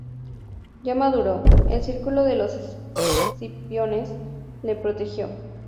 Ya maduro, el círculo de los Escipiones le protegió.